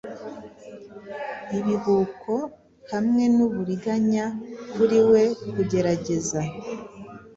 Ibihuko hamwe nuburiganya kuri we kugerageza,